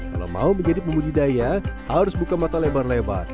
kalau mau menjadi pembudidaya harus buka mata lebar lebar